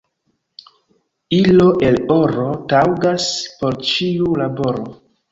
Ilo el oro taŭgas por ĉiu laboro.